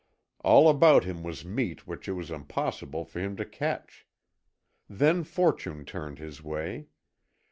All about him was meat which it was impossible for him to catch. Then fortune turned his way.